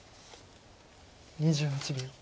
２８秒。